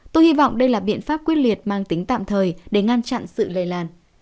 tôi hy vọng đây là biện pháp quyết liệt mang tính tạm thời để ngăn chặn sự lây lan